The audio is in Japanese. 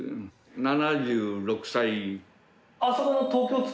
７６歳。